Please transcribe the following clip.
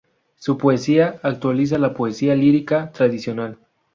Su poesía actualiza la poesía lírica tradicional.